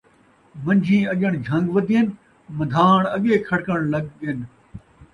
من٘جھیں اڄݨ جھن٘گ ودّین ، من٘دھاݨ آڳے کھڑکݨ لڳ ڳن